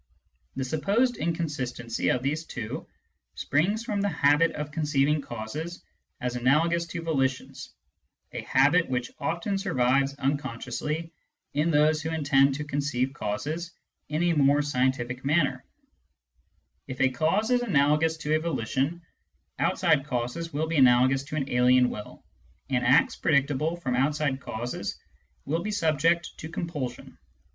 The supposed inconsistency of these two springs from the habit of conceiving causes as analogous to volitions — a habit which often survives un Digitized by Google 234 SCIENTIFIC METHOD IN PHILOSOPHY consciously in those who intend to conceive causes in a more scientific manner. If a cause is analogous to a volition, outside causes will be analogous to an alien will, and acts predictable from outside causes will be subject to compulsion.